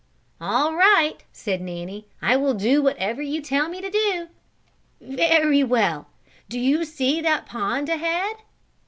"All right," said Nanny, "I will do whatever you tell me to." "Very well. Do you see that pond ahead?"